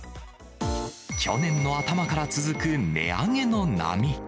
去年の頭から続く値上げの波。